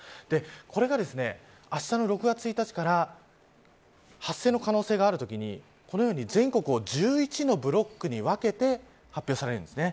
これがあしたの６月１日から発生の可能性があるときにこのように全国を１１のブロックに分けて発表されるんですね。